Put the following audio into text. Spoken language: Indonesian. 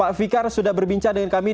pak fikar sudah berbincang dengan kami